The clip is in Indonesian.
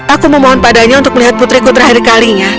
aku memohon padanya untuk melihat putriku terakhir kalinya